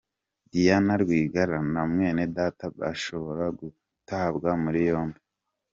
Diane Rwigara na Mwenedata bashobora gutabwa muri yombi .